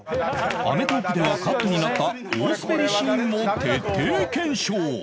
『アメトーーク』ではカットになった大スベりシーンも徹底検証